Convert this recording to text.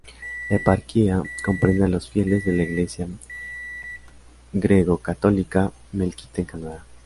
La eparquía comprende a los fieles de la Iglesia greco-católica melquita en Canadá.